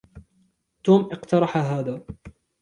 توم أقترحَ هذا.